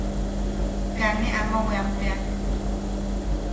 Kaa ne ama weampea.